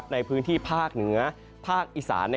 ในพื้นที่ภาคเหนือภาคอีสาน